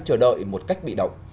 chờ đợi một cách bị động